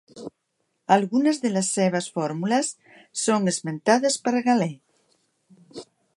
Algunes de les seves fórmules són esmentades per Galè.